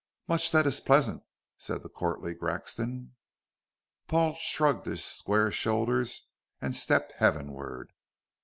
"Much that is pleasant," said the courtly Grexon. Paul shrugged his square shoulders and stepped heavenward.